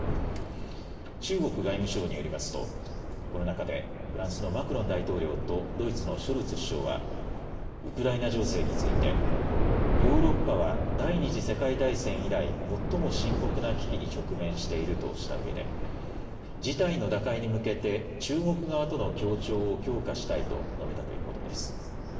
中国外務省によりますとこの中でフランスのマクロン大統領とドイツのショルツ首相はウクライナ情勢についてヨーロッパは第２次世界大戦以来最も深刻な危機に直面しているとしたうえで事態の打開に向けて中国側との協調を強化したいと述べたということです。